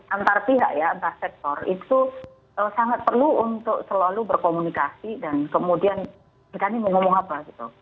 antar pihak ya antar sektor itu sangat perlu untuk selalu berkomunikasi dan kemudian kami mau ngomong apa gitu